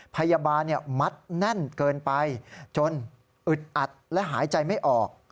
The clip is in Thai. พยาบาลมัดแน่นเกินไปจนอึดอัดและหายใจไม่ออก